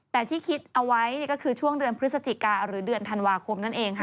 แต่ที่คิดเอาไว้ก็คือช่วงเดือนพฤศจิกาหรือเดือนธันวาคมนั่นเองค่ะ